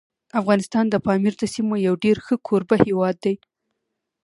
افغانستان د پامیر د سیمو یو ډېر ښه کوربه هیواد دی.